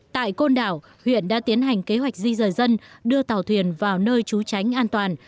tại côn đảo huyện đã tiến hành kế hoạch di rời dân đưa tàu thuyền vào nơi trú tránh an toàn